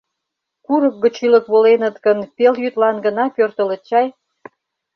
Курык гыч ӱлык воленыт гын, пелйӱдлан гына пӧртылыт чай.